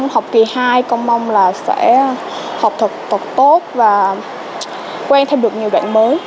học kỳ hai con mong là sẽ học thật thật tốt và quen thêm được nhiều bạn mới